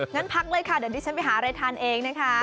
งั้นพักเลยค่ะเดี๋ยวดิฉันไปหาอะไรทานเองนะคะ